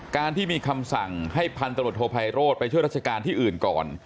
การที่มีคำสั่งให้พันตรวจโทไพโรธไปช่วยราชการที่อื่นก่อน